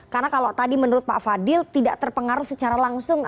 karena kalau tadi menurut pak fadil tidak terpengaruh secara langsung